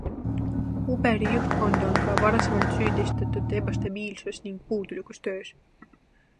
Uberi juhtkonda on ka varasemalt süüdistatud ebastabiilsus ning puudulikus töös.